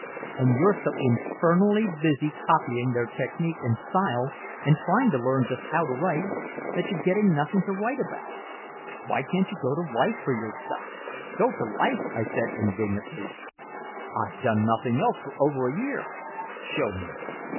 And you're so infernally busy copying their technique and style and trying to learn just how to write, that you're getting nothing to write about. Why can't you go to life for your stuff?" "Go to life?" I said indignantly. "I've done nothing else for over a year!" "Show me."